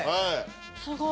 すごい！